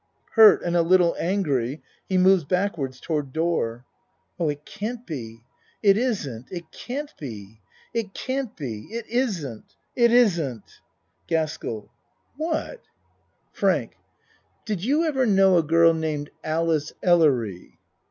(Hurt and a little angry he moves backwards toward door.) Oh it can't be it isn't it can't be! It can't be! It isn't! It isn't! GASKELL What? 102 A MAN'S WORLD FRANK Did you ever know a girl named Alice Ellery?